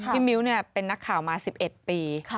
มิ้วเป็นนักข่าวมา๑๑ปี